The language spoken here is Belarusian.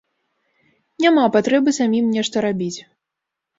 Няма патрэбы самім нешта рабіць.